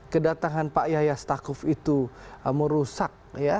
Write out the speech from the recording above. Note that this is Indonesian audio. kedatangan pak yahya stakuf itu merusak